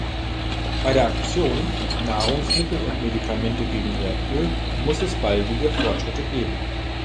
Bei der Aktion "Nahrungsmittel und Medikamente gegen Erdöl" muss es baldige Fortschritte geben.